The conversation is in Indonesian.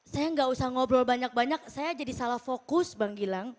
saya nggak usah ngobrol banyak banyak saya jadi salah fokus bang gilang